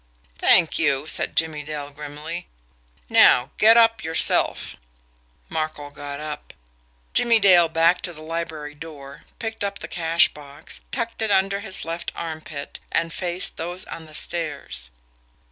"Thank you!" said Jimmie Dale grimly. "Now, get up yourself!" Markel got up. Jimmie Dale backed to the library door, picked up the cash box, tucked it under his left armpit, and faced those on the stairs.